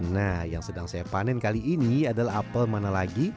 nah yang sedang saya panen kali ini adalah apel mana lagi